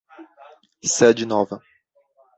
Sede Nova